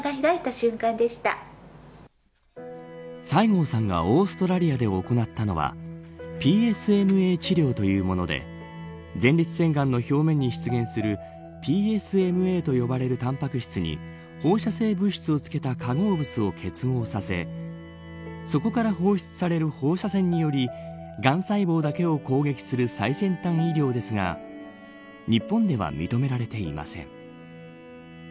西郷さんがオーストラリアで行ったのはＰＳＭＡ治療というもので前立腺がんの表面に出現するＰＳＭＡと呼ばれるタンパク質に放射性物質をつけた化合物を結合させそこから放出される放射線によりがん細胞だけを攻撃する最先端医療ですが日本では認められていません。